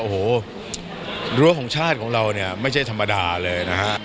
โอ้โหรั้วของชาติของเราเนี่ยไม่ใช่ธรรมดาเลยนะฮะ